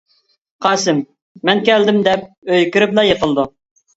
قاسىم:-مەن كەلدىم دەپ ئۆيگە كىرىپلا يىقىلىدۇ.